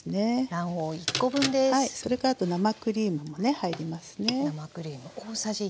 それからあと生クリームもね入りますね。